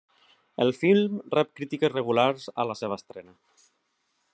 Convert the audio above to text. El film rep crítiques regulars a la seva estrena.